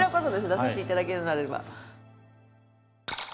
出させていただけるのであれば。